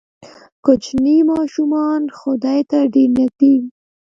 کوچني ماشومان خدای ته ډېر نږدې وي.